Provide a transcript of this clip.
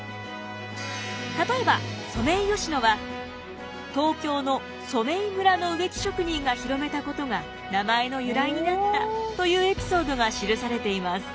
例えばソメイヨシノは東京の染井村の植木職人が広めたことが名前の由来になったというエピソードが記されています。